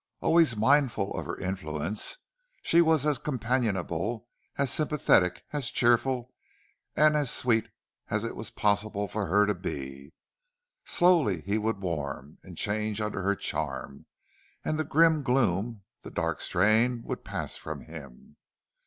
Always mindful of her influence, she was as companionable, as sympathetic, as cheerful, and sweet as it was possible for her to be. Slowly he would warm and change under her charm, and the grim gloom, the dark strain, would pass from him.